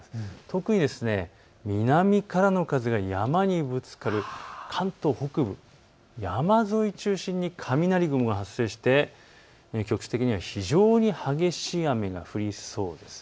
特に南からの風が山にぶつかる関東北部、山沿いを中心に雷雲が発生して、局地的には非常に激しい雨が降りそうです。